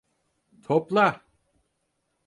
Topla!